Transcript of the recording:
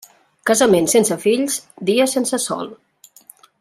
Casament sense fills, dia sense sol.